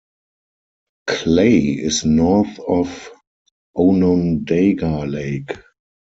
Clay is north of Onondaga Lake.